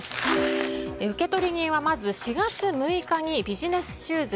受取人はまず、４月６日にビジネスシューズ